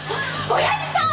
親父さん！